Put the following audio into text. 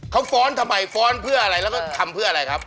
เขาฟ้อนทำไมฟ้อนเพื่ออะไรแล้วก็ทำเพื่ออะไรครับ